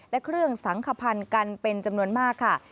และเครื่องสังขพันธ์กันเป็นจำนวนมากค่ะ